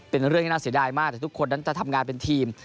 เป็นเรื่องที่น่าเสียดายมากแต่ทุกคนนั้นจะทำงานเป็นทีม